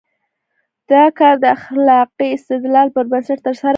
دا کار د اخلاقي استدلال پر بنسټ ترسره کوو.